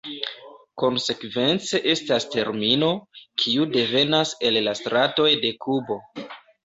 Konsekvence estas termino, kiu devenas el la stratoj de Kubo.